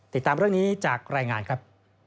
ติดตามเรื่องนี้จากรายงานครับ